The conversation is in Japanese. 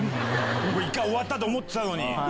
一回終わったと思ってたのに。